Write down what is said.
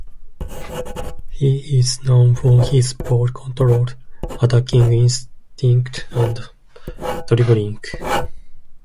He is known for his ball control, attacking instinct and dribbling.